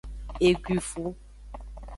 Eguifu.